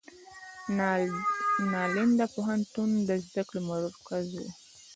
نالندا پوهنتون د زده کړې مرکز و.